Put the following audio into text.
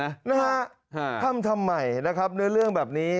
นะฮะทำทำไมนะครับเนื้อเรื่องแบบนี้